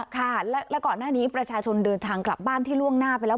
ค่ะแล้วก่อนหน้านี้ประชาชนเดินทางกลับบ้านที่ล่วงหน้าไปแล้ว